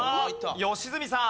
良純さん。